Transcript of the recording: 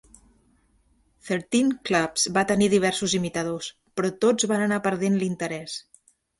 Thirteen Clubs van tenir diversos imitadors, però tots van anar perdent l'interès.